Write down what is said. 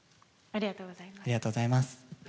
ありがとうございます。